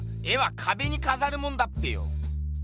絵はかべにかざるもんだっぺよ？